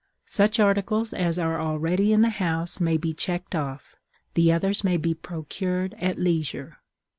Such articles as are already in the house may be checked off; the others may be procured at leisure.